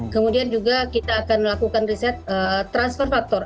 kemudian juga kita akan melakukan riset transfer faktor